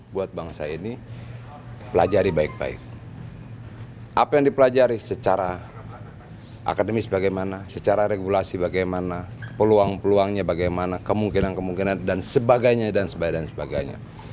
buat bangsa ini pelajari baik baik apa yang dipelajari secara akademis bagaimana secara regulasi bagaimana peluang peluangnya bagaimana kemungkinan kemungkinan dan sebagainya dan sebagainya